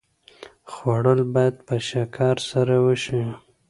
خوړل باید په شکر سره وشي